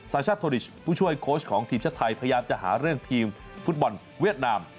ชาติโทดิชผู้ช่วยโค้ชของทีมชาติไทยพยายามจะหาเรื่องทีมฟุตบอลเวียดนาม